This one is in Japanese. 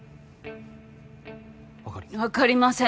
わかります。